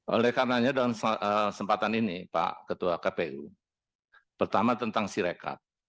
oleh karenanya dalam kesempatan ini pak ketua kpu pertama tentang sirekat